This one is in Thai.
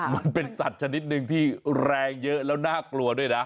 มันเป็นสัตว์ชนิดหนึ่งที่แรงเยอะแล้วน่ากลัวด้วยนะ